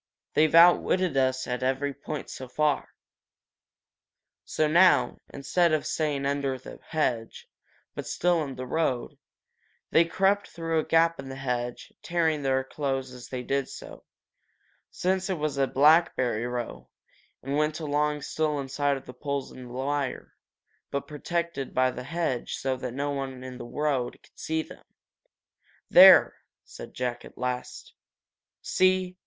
They've outwitted us at every point so far." So now, instead of staying under the hedge, but still in the road, they crept through a gap in the hedge, tearing their clothes as they did so, since it was a blackberry row, and went along still in sight of the poles and the wire, but protected by the hedge so that no one in the road could see them. "There!" said Jack, at last. "See?